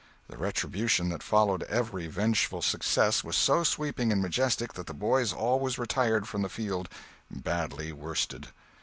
The retribution that followed every vengeful success was so sweeping and majestic that the boys always retired from the field badly worsted.